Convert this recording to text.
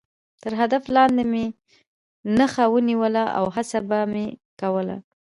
تر هدف لاندې به مې نښه ونیوله او هڅه به مې کوله.